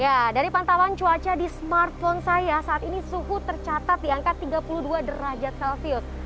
ya dari pantauan cuaca di smartphone saya saat ini suhu tercatat di angka tiga puluh dua derajat celcius